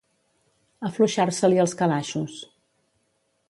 Afluixar-se-li els calaixos.